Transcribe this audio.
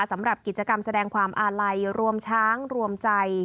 สำหรับกิจกรรมแสดงความอาลัยรวมช้างรวมใจ